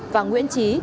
và nguyễn trí